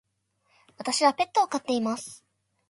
私はペットを飼っています。